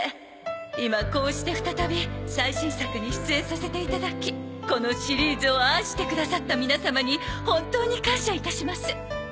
今こうして再び最新作に出演させていただきこのシリーズを愛してくださった皆様に本当に感謝いたします。